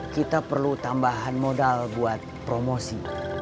kita perlu tambahan modal buat promosi